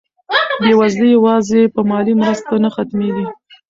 بېوزلي یوازې په مالي مرستو نه ختمېږي.